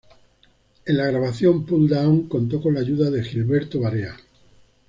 En la grabación Pull Down contó con la ayuda de Gilberto Barea.